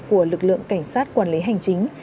của lực lượng cảnh sát quản lý hành chính